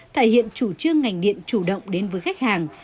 thể hiện chủ trương ngành điện chủ động đến với khách hàng